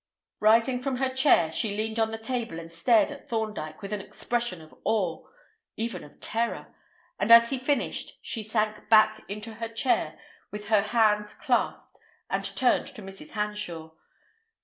Rising from her chair, she leaned on the table and stared at Thorndyke with an expression of awe—even of terror; and as he finished she sank back into her chair, with her hands clasped, and turned to Mrs. Hanshaw.